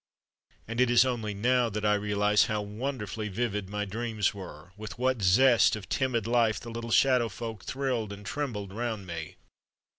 And it is only now that I realise how wonderfully vivid my dreams were, with what zest of timid life the little shadow folk thrilled and trembled round me.